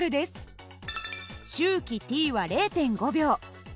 周期Ｔは０．５秒。